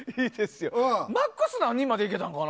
マックス何人までいけたのかな。